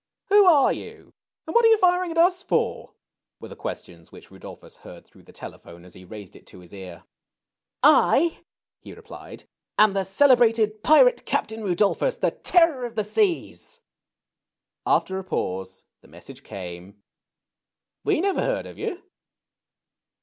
Who are you ? and what are you firing at us for ?" were the questions which Rudolphus heard through the telephone as he raised it to his ear. I," he replied, am the celebrated Pirate Captain Rudolphus, the Terror of the Seas." After a pause the message came : ^^We never heard of you."